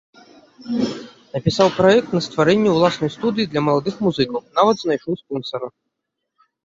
Напісаў праект на стварэнне ўласнай студыі для маладых музыкаў, нават знайшоў спонсара.